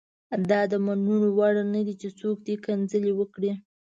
دا د منلو وړ نه دي چې څوک دې کنځل وکړي.